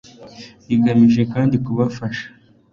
rigamije kandi kubafasha